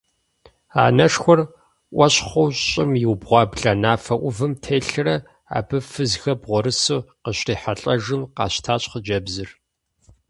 Анэшхуэр Ӏуэщхъуу щӀым иубгъуа бланэфэ Ӏувым телърэ, абы фызхэр бгъурысу къыщрихьэлӀэжым, къэщтащ хъыджэбзыр.